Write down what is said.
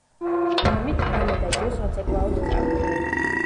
ღამით ანა და ჯო საცეკვაოდ წავიდნენ.